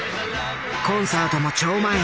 コンサートも超満員。